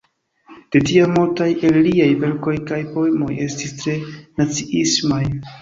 De tiam multaj el liaj verkoj kaj poemoj estis tre naciismaj.